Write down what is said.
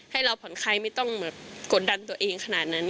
ให้เราผ่อนคลายไม่ต้องกดดันตัวเองขนาดนั้น